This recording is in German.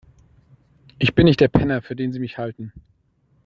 Ich bin nicht der Penner, für den Sie mich halten.